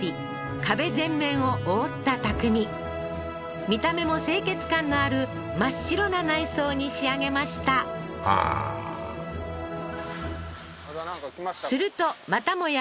壁全面を覆った匠見た目も清潔感のある真っ白な内装に仕上げましたはあーするとまたもや